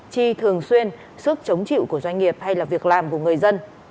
cường xuyên sức chống chịu của doanh nghiệp hay là việc làm của người dân